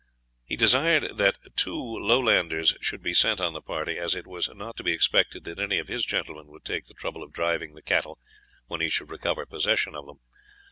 He desired that two Lowlanders should be sent on the party, as it was not to be expected that any of his gentlemen would take the trouble of driving the cattle when he should recover possession of them.